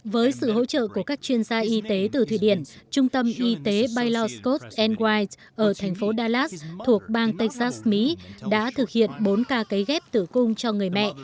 với sự hỗ trợ của các chuyên gia y tế từ thủy điển trung tâm y tế bylaw scott white ở thành phố dallas thuộc bang texas mỹ đã thực hiện bốn ca cây ghép tử cung cho người mẹ